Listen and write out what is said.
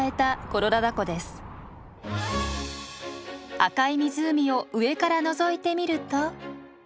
赤い湖を上からのぞいてみると。